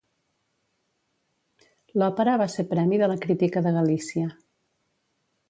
L'òpera va ser Premi de la Crítica de Galícia.